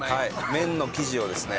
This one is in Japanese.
麺の生地をですね